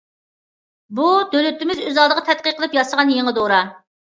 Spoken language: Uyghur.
بۇ، دۆلىتىمىز ئۆز ئالدىغا تەتقىق قىلىپ ياسىغان يېڭى دورا.